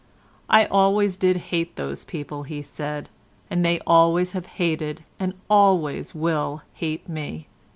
"I always did hate those people," he said, "and they always have hated and always will hate me.